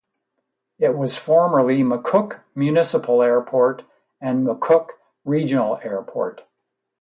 It was formerly McCook Municipal Airport and McCook Regional Airport.